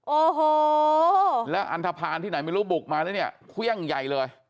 โอ้โหและอรรภานที่ไหนไม่รู้บุกมาแล้วเนี้ยเพี้ยใหญ่เลย